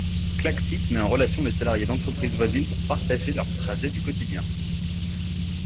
Klaxit met en relation les salariés d’entreprises voisines pour partager leurs trajets du quotidien.